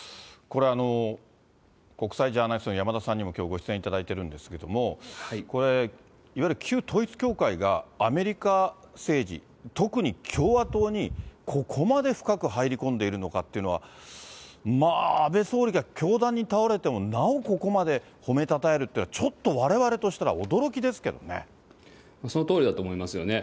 これ、国際ジャーナリストの山田さんにもきょう、ご出演いただいているんですけれども、これ、いわゆる旧統一教会がアメリカ政治、特に共和党に、ここまで深く入り込んでいるのかっていうのは、まあ、安倍総理が凶弾に倒れても、なおここまで褒めたたえるというのは、ちょっとわれわれとしたらそのとおりだと思いますよね。